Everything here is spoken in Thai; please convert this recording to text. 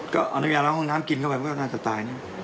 ก็นำยาล้างห้องน้ำกินเข้าไปก็น่าจะตาย